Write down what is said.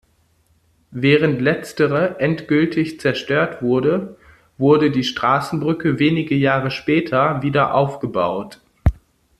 Während letztere endgültig zerstört wurde, wurde die Straßenbrücke wenige Jahre später wieder aufgebaut.